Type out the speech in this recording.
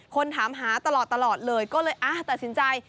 คนถามหาตลอดเลยก็เลยตัดสินใจ